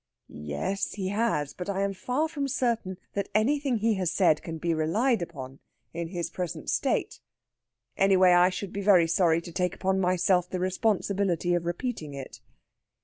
"Yes, he has. But I am far from certain that anything he has said can be relied upon in his present state. Anyway, I should be very sorry to take upon myself the responsibility of repeating it."